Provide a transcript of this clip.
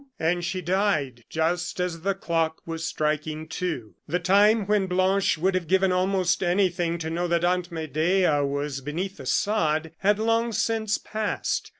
And she died just as the clock was striking two. The time when Blanche would have given almost anything to know that Aunt Medea was beneath the sod, had long since passed.